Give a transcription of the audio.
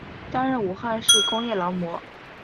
担任武汉市工业劳模。